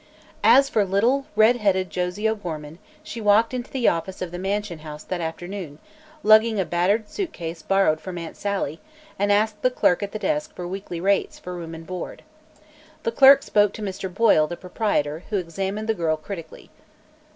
As for little, red headed Josie O'Gorman, she walked into the office of the Mansion House that afternoon, lugging a battered suit case borrowed from Aunt Sally, and asked the clerk at the desk for weekly rates for room and board. The clerk spoke to Mr. Boyle, the proprietor, who examined the girl critically.